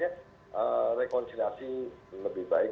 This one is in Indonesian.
jadi sebenarnya rekonsiliasi lebih baik